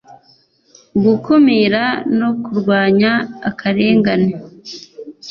gukumira no kurwanya akarengane,